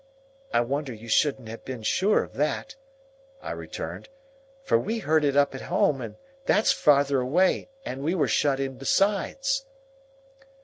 "I wonder you shouldn't have been sure of that," I returned, "for we heard it up at home, and that's farther away, and we were shut in besides."